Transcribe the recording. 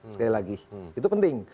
sekali lagi itu penting